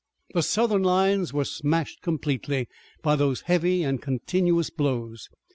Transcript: The Southern lines were smashed completely by those heavy and continuous blows.